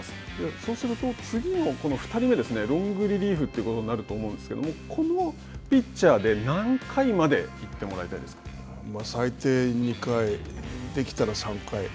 そうすると、次の、この２人目ですね、ロングリリーフということになると思うんですけれども、このピッチャーで何回まで行っても最低２回、できたら３回。